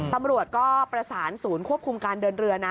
ตำรวจก็ประสานศูนย์ควบคุมการเดินเรือนะ